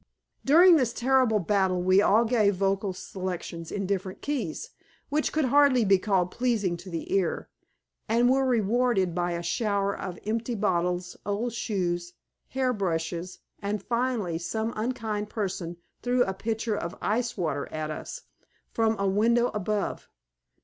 During this terrible battle we all gave vocal selections in different keys, which could hardly be called pleasing to the ear, and were rewarded by a shower of empty bottles, old shoes, hair brushes, and finally some unkind person threw a pitcher of ice water at us, from a window above.